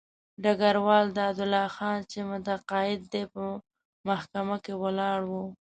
ډګروال دادالله خان چې متقاعد دی په محکمه کې ولاړ وو.